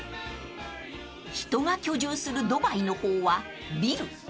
［人が居住するドバイの方はビル］